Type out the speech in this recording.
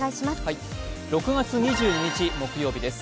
６月２２日木曜日です。